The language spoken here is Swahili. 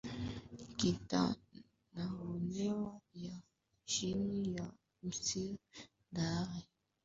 katika maeneo ya chini ya Syr Darya jimbo